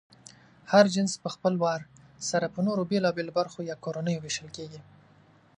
هر جنس پهخپل وار سره په نورو بېلابېلو برخو یا کورنیو وېشل کېږي.